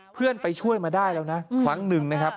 เพื่อนไปช่วยมาได้แล้วนะครั้งหนึ่งนะครับ